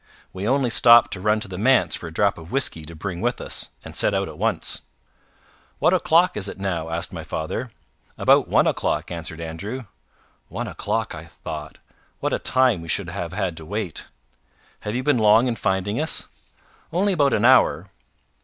We only stopped to run to the manse for a drop of whisky to bring with us, and set out at once." "What o'clock is it now?" asked my father. "About one o'clock," answered Andrew. "One o'clock!" thought I. "What a time we should have had to wait!" "Have you been long in finding us?" "Only about an hour."